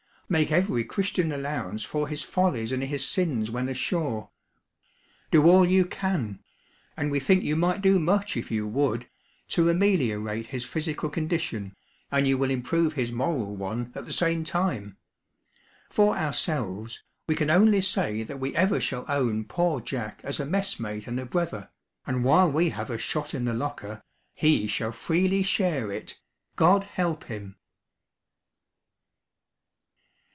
Make every Christian allowance for his follies and his sins when ashore. Do all you can and we think you might do much if you would to ameliorate his physical condition, and you will improve his moral one at the same time. For ourselves, we can only say that we ever shall own Poor Jack as a messmate and a brother, and while we have a shot in the locker, he shall freely share it, God help him!